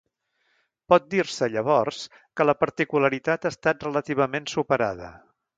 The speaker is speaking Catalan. Pot dir-se, llavors, que la particularitat ha estat relativament superada.